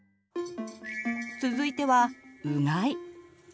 続いてはうがい。